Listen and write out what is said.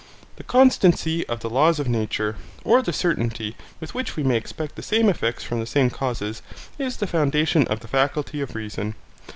The constancy of the laws of nature, or the certainty with which we may expect the same effects from the same causes, is the foundation of the faculty of reason.